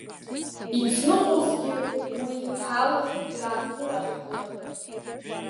Ицныҟәозгьы уи ҳалахь иааԥыраҳкларын.